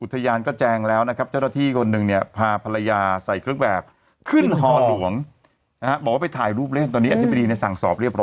อุทยานก็แจงแล้วนะครับเจ้าทราธิคนหนึ่ง